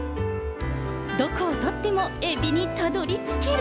どこをとってもエビにたどりつける。